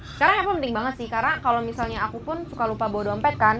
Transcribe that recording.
sekarang aku penting banget sih karena kalau misalnya aku pun suka lupa bawa dompet kan